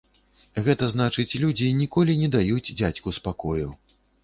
Гэта значыць, людзі ніколі не даюць дзядзьку спакою.